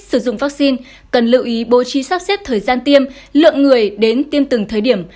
sử dụng vaccine cần lưu ý bố trí sắp xếp thời gian tiêm lượng người đến tiêm từng thời điểm